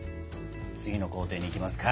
次の工程にいきますか！